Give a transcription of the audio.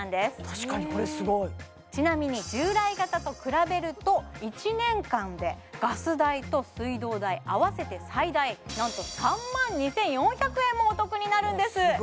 確かにこれすごいちなみに従来型と比べると１年間でガス代と水道代合わせて最大なんと３万２４００円もお得になるんです